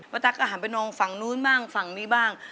ตั๊กก็หันไปมองฝั่งนู้นบ้างฝั่งนี้บ้าง